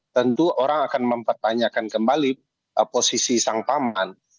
tentu orang akan mempertanyakan kembali posisi sang paman